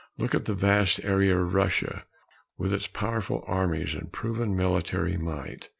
Look at the vast area of Russia, with its powerful armies and proven military might.